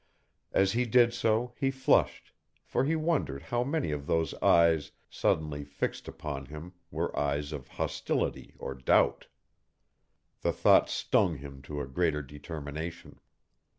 As he did so he flushed, for he wondered how many of those eyes suddenly fixed upon him were eyes of hostility or doubt. The thought stung him to a greater determination.